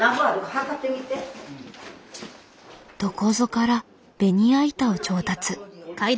どこぞからベニヤ板を調達。